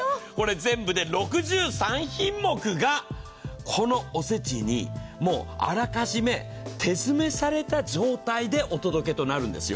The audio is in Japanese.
全部で６３品目が、このおせちにあらかじめ手詰めされた状態でお届けとなるんですよ。